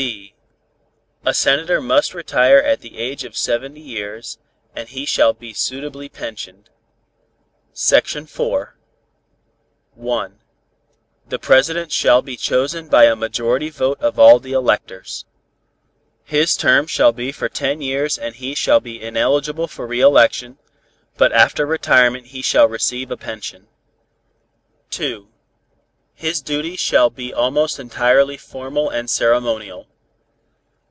(b) A Senator must retire at the age of seventy years, and he shall be suitably pensioned. IV. 1. The President shall be chosen by a majority vote of all the electors. His term shall be for ten years and he shall be ineligible for re election, but after retirement he shall receive a pension. 2. His duties shall be almost entirely formal and ceremonial.